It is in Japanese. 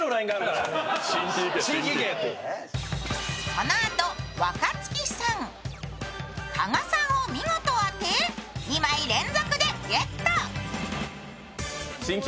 このあと、若槻さん、加賀さんが見事当て２枚連続でゲット。